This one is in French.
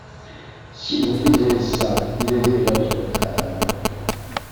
Si vous lisez ça, il est déjà trop tard.